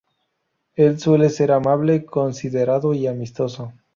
El suele ser amable, considerado y amistoso.